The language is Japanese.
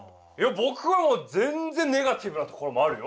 ぼくはもうぜんぜんネガティブなところもあるよ。